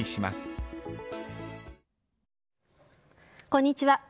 こんにちは。